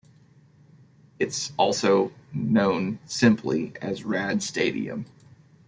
It's also known simply as Rad Stadium.